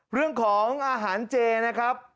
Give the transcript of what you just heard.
เรื่องของอาหารเจนะครับ